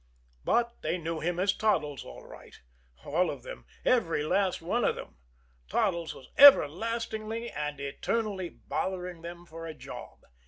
But they knew him as Toddles, all right! All of them did, every last one of them! Toddles was everlastingly and eternally bothering them for a job.